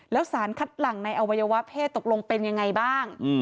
แล้วสารคัดหลังในอวัยวะเพศตกลงเป็นยังไงบ้าง